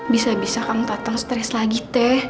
bisa bisa kamu datang stress lagi teh